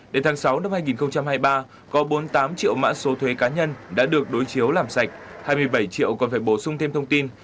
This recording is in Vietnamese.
đến tháng sáu năm hai nghìn hai mươi ba có bốn mươi tám triệu mã số thuế cá nhân đã được đối chiếu làm sạch hai mươi bảy triệu còn phải bổ sung thêm thông tin